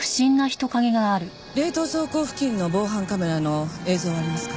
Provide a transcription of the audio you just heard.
冷凍倉庫付近の防犯カメラの映像はありますか？